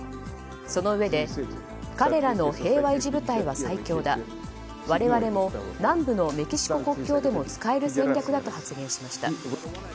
そのうえで彼らの平和維持部隊は最強だ我々も南部のメキシコ国境でも使える戦略だと発言しました。